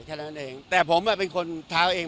แค่นั้นเองแต่ผมเป็นคนเท้าเอง